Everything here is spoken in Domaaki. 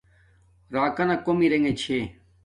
راکانا کوم ارے چھاݵ